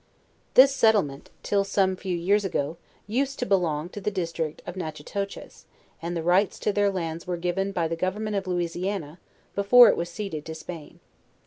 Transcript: This settlement, till some few years ago, used to belong to the district of Natciiitoches, and ihe rights to their lands were given by the government of Louisiana, before it was ceded to Spain.